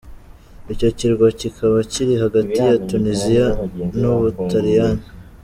Icyo kirwa kikaba kiri hagati ya Tuniziya n’u Butaliyani.